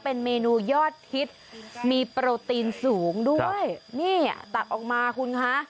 เป็นเมนูยอดฮิตมีโปรตีนสูงด้วยนี่อ่ะตักออกมาคุณคะ